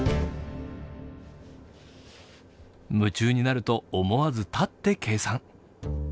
夢中になると思わず立って計算。